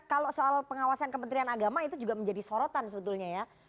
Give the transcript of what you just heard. kalau soal pengawasan kementerian agama itu juga menjadi sorotan sebetulnya ya